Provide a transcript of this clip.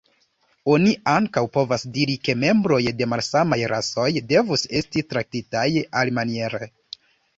Oni ankaŭ povas diri ke membroj de malsamaj rasoj devus esti traktitaj alimaniere.